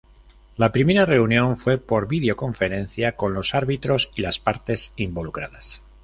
La primera reunión fue por videoconferencia con los árbitros y las partes involucradas.